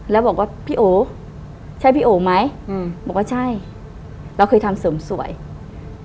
แล้วบอกว่าพี่โอใช่พี่โอไหมอืมบอกว่าใช่เราเคยทำเสริมสวยอืม